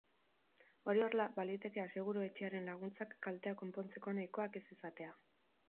Hori horrela, baliteke aseguru-etxearen laguntzak kalteak konpontzeko nahikoak ez izatea.